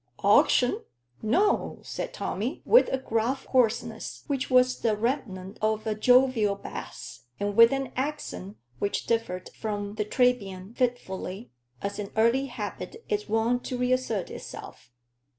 "Auction? no," said Tommy, with a gruff hoarseness, which was the remnant of a jovial bass, and with an accent which differed from the Trebian fitfully, as an early habit is wont to reassert itself.